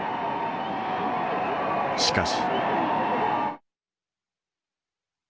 しかし。